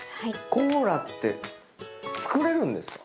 コーラって作れるんですか？